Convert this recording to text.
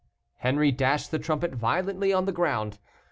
Henri dashed the trumpet violently on the ground.